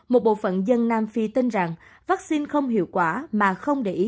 một bộ phận dân nam phi tin rằng vaccine không hiệu quả mà không để ý